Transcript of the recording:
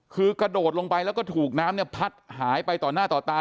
คือกระโดดลงไปแล้วก็ถูกน้ำเนี่ยพัดหายไปต่อหน้าต่อตา